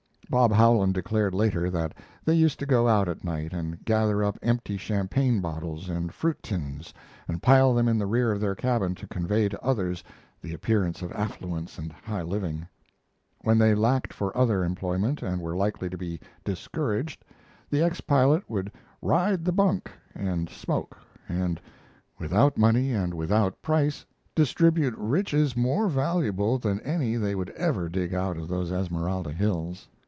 Bob Howland declared later that they used to go out at night and gather up empty champagne bottles and fruit tins and pile them in the rear of their cabin to convey to others the appearance of affluence and high living. When they lacked for other employment and were likely to be discouraged, the ex pilot would "ride the bunk" and smoke and, without money and without price, distribute riches more valuable than any they would ever dig out of those Esmeralda Hills.